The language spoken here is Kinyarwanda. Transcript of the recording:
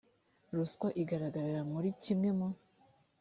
ruswa igaragarira muri kimwe mu